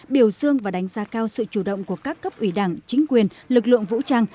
biểu dương và đánh giá cao sự chủ động của các cấp ủy đảng chính quyền lực lượng vũ trang